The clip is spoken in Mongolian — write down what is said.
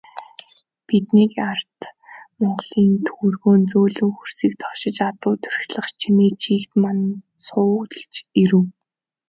Бидний ард морьдын төвөргөөн зөөлөн хөрсийг товшиж, адуу тургилах чимээ чийгт мананг цуулж ирэв.